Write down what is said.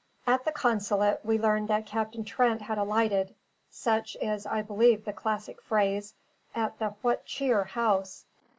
At the consulate, we learned that Captain Trent had alighted (such is I believe the classic phrase) at the What Cheer House.